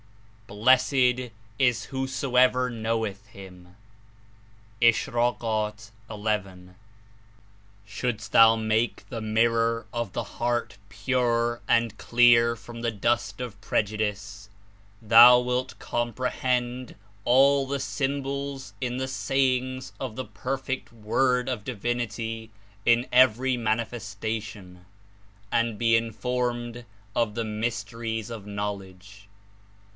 Blessed Is whosoever knoweth Him!" (Ish. ii.) "Shouldst thou make the mirror of the heart pure and clear from the dust of prejudice, thou wilt com prehend all the symbols in the sayings of the perfect Word of Divinity In every Manifesta Severance tlon and be Informed of the mysteries of Knowledge.